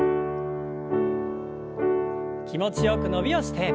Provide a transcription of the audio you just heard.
気持ちよく伸びをして。